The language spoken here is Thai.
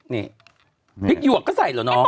นี่พริกหยวกก็ใส่เหรอน้อง